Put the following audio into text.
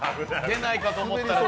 出ないかと思ったら。